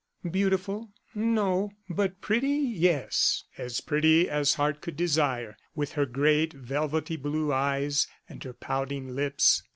Beautiful? no. But pretty, yes; as pretty as heart could desire, with her great velvety blue eyes and her pouting lips.